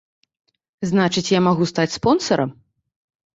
Значыць, я магу стаць спонсарам.